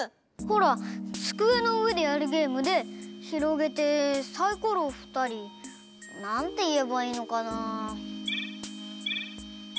ほらつくえのうえでやるゲームでひろげてサイコロをふったりなんていえばいいのかなあ。